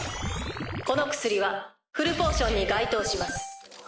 この薬はフルポーションに該当します。